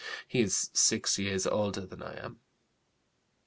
He is six years older than I am.